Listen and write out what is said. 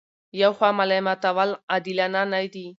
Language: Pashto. یوه خوا ملامتول عادلانه نه دي.